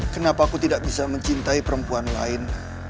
kenapa aku tidak bisa mencintai perempuan lain